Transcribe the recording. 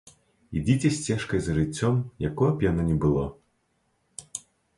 Ідзіце сцежкай за жыццём, якое б яно ні было.